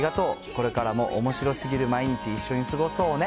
これからもおもしろすぎる毎日、一緒に過ごそうね。